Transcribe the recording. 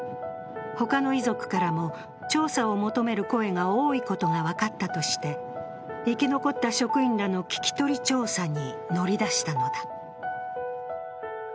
他の遺族からも調査を求める声が多いことが分かったとして、生き残った職員らの聞き取り調査に乗り出したのだ。